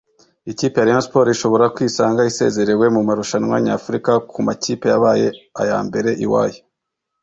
Ikipe ya Rayon Sports ishobora kwisanga isezerewe mumarushanwa nyafurika ku makipe yabaye a ya mbere iwayo